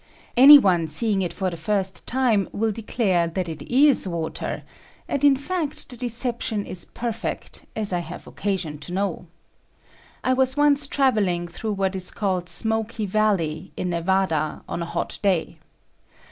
Any o" e seeing it for the first time will declare that it is water, and in fact the deception is perfect, as I have occasion to know. I was once traveling through what is called Smoky Valley, in Nevada, on a hot day.